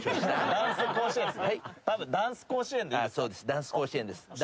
ダンス甲子園です。